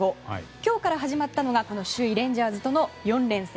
今日から始まったのが首位レンジャーズとの４連戦。